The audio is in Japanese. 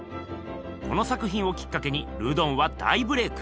この作ひんをきっかけにルドンは大ブレーク。